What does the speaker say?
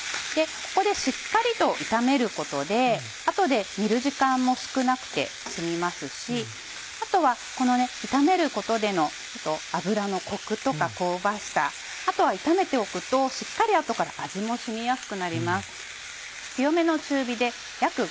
ここでしっかりと炒めることであとで煮る時間も少なくて済みますしあとは炒めることでの脂のコクとか香ばしさあとは炒めておくとしっかりあとから味も染みやすくなります。